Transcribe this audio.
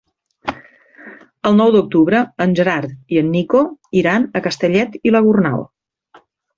El nou d'octubre en Gerard i en Nico iran a Castellet i la Gornal.